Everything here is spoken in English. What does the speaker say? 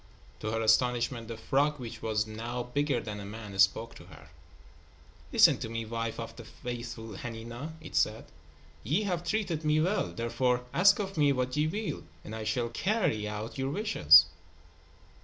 To her astonishment, the frog, which was now bigger than a man, spoke to her. "Listen to me, wife of the faithful Hanina," it said. "Ye have treated me well. Therefore, ask of me what ye will, and I shall carry out your wishes."